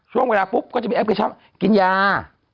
ช่วงเวลาปุ๊บก็จะมีแอปพลิเคชันกินยา